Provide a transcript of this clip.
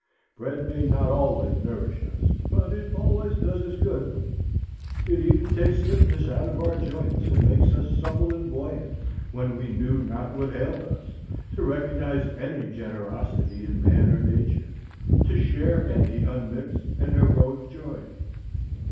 Bread may not always nourish us; but it always does us good, it even takes stiffness out of our joints, and makes us supple and buoyant, when we knew not what ailed us, to recognize any generosity in man or Nature, to share any unmixed and heroic joy.